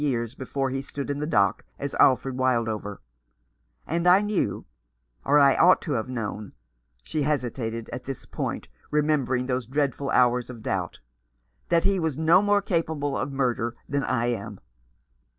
years before he stood in the dock as Alfred Wild over ; and I knew — or I ought to have known "— she hesitated at this point, remembering those dreadful hours of doubt —" that he was no more capable of murder than I am."